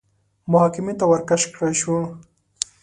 محاکمې ته ورکش کړای شو